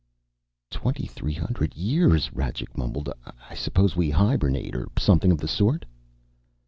"Twenty three hundred years," Rajcik mumbled. "I suppose we hibernate or something of the sort."